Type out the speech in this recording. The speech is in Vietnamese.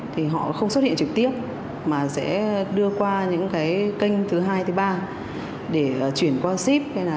thì họ không xuất hiện trực tiếp mà sẽ đưa qua những kênh thứ hai thứ ba để chuyển qua ship